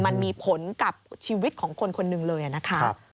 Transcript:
มันมีผลกับชีวิตของคนคนหนึ่งเลยนะคะ